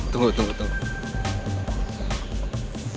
tunggu tunggu tunggu